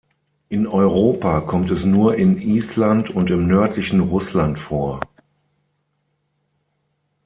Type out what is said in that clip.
In Europa kommt es nur in Island und im nördlichen Russland vor.